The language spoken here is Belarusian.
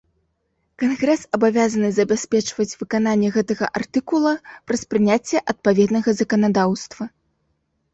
Кангрэс абавязаны забяспечваць выкананне гэтага артыкула праз прыняцце адпаведнага заканадаўства.